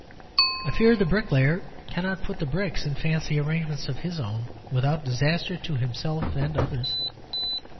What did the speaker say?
I fear the bricklayer cannot put the bricks in fancy arrangements of his own, without disaster to himself and others.